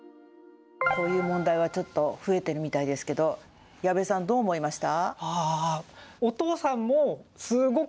こういう問題はちょっと、増えてるみたいですけど、矢部さん、どう思いました？